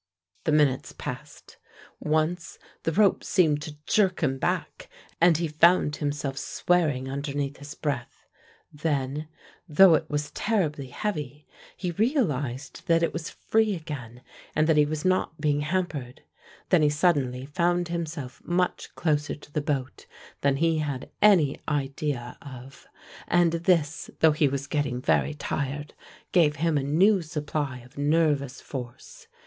The minutes passed; once the rope seemed to jerk him back, and he found himself swearing underneath his breath. Then, though it was terribly heavy, he realized that it was free again, and that he was not being hampered. Then he suddenly found himself much closer to the boat than he had any idea of, and this, though he was getting very tired, gave him a new supply of nervous force.